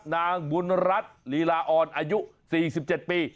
นางบุญรัฐลีลาออนอายุ๔๗ปี